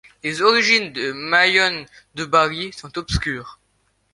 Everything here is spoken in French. Les origines de Maion de Bari sont obscures.